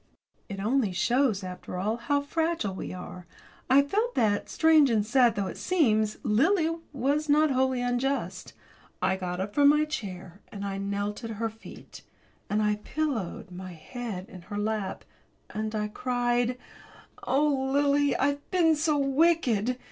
It only shows, after all, how fragile we are. I felt that, strange and sad though it seems, Lily was not wholly unjust. I got up from my chair, and I knelt at her feet, and I pillowed my head in her lap and I cried: "Oh, Lily, I've been so wicked!